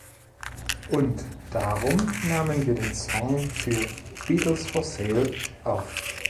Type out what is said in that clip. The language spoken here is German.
Und darum nahmen wir den Song für "Beatles for Sale" auf.